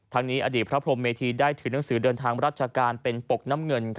ทั้งนี้อดีตพระพรมเมธีได้ถือหนังสือเดินทางราชการเป็นปกน้ำเงิน